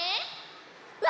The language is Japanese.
うわ！